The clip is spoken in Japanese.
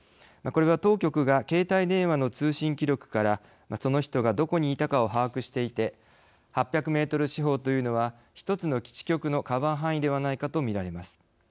これは当局が携帯電話の通信記録からその人がどこにいたかを把握していて８００メートル四方というのは１つの基地局のカバー範囲ではないかと見られます。